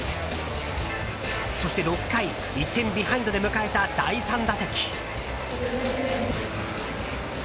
そして６回、１点ビハインドで迎えた第３打席。